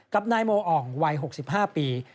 กับนายโมอ่องวัย๖๕ปี